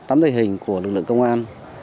tắm thể hình của lực lượng công an